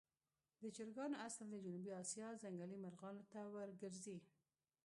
د چرګانو اصل د جنوبي آسیا ځنګلي مرغانو ته ورګرځي.